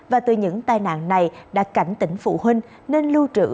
và từ những tai nạn này đã cảnh tỉnh phụ huynh nên lưu trữ